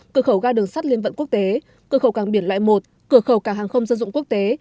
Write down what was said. cửa khẩu ga đường sắt liên vận quốc tế cửa khẩu càng biển loại một cửa khẩu càng hàng không dân dụng quốc tế